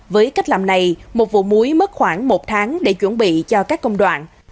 với cách làm này một vụ muối mất khoảng một tháng để chuẩn bị cho các công đoạn